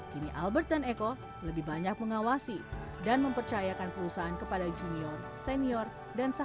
kini albert dan eko lebih banyak mengawasi dan mempercayakan perusahaan kepada junior senior